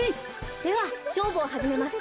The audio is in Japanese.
ではしょうぶをはじめます。